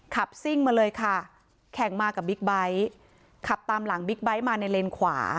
ซิ่งมาเลยค่ะแข่งมากับบิ๊กไบท์ขับตามหลังบิ๊กไบท์มาในเลนขวา